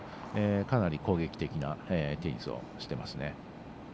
かなり攻撃的なテニスをしていますね。